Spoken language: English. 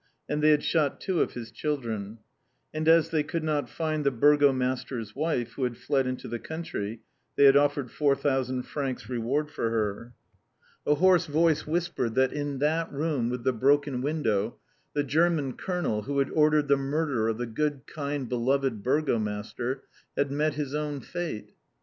And they had shot two of his children. And as they could not find the Burgomaster's wife, who had fled into the country, they had offered 4,000 francs reward for her. A hoarse voice whispered that in that room with the broken window, the German Colonel who had ordered the murder of the good, kind, beloved Burgomaster, had met his own fate.